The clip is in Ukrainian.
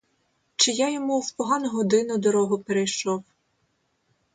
Чи я йому в погану годину дорогу перейшов?